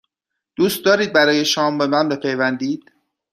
دوست دارید برای شام به من بپیوندید؟